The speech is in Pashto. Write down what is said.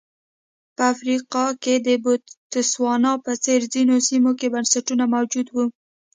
په افریقا کې د بوتسوانا په څېر ځینو سیمو کې بنسټونه موجود وو.